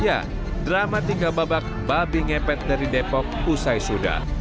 ya drama tiga babak babi ngepet dari depok usai sudah